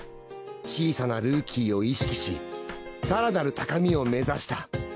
小さなルーキーを意識し更なる高みを目指した。